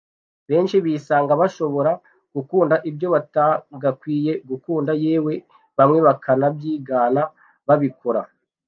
benshi bisanga bashobora gukunda ibyo batagakwiye gukunda yewe bamwe bakanabyigana babikora